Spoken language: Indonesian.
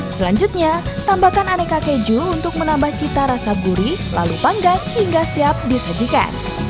selanjutnya tambahkan aneka keju untuk menambah cita rasa gurih lalu panggang hingga siap disajikan